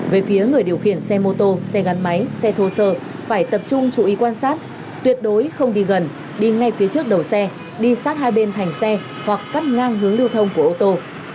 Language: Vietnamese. về phía người điều khiển xe mô tô xe gắn máy xe thô sơ phải tập trung chú ý quan sát tuyệt đối không đi gần đi ngay phía trước đầu xe đi sát hai bên thành xe hoặc cắt ngang hướng lưu thông của ô tô